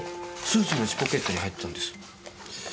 スーツの内ポケットに入ってたんです。